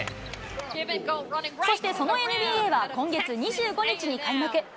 そしてそのＮＢＡは今月２５日に開幕。